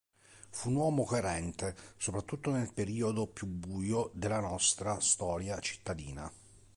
Fu un uomo coerente, soprattutto nel periodo più buio della nostra storia cittadina.